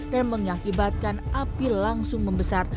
dan mengakibatkan api langsung membesar